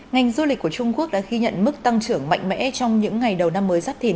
ngành du lịch của trung quốc đã ghi nhận mức tăng trưởng mạnh mẽ trong những ngày đầu năm mới giáp thị